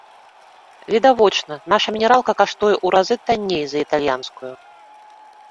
Відавочна, наша мінералка каштуе ў разы танней за італьянскую.